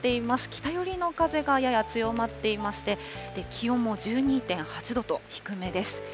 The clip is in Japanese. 北寄りの風がやや強まっていまして、気温も１２．８度と低めです。